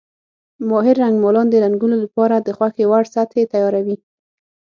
ماهر رنګمالان د رنګونو لپاره د خوښې وړ سطحې تیاروي.